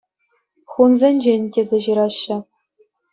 Хунсенчен тесе ҫыраҫҫӗ.